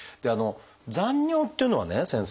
残尿っていうのはね先生